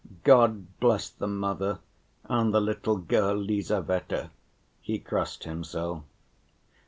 God bless the mother and the little girl Lizaveta," he crossed himself.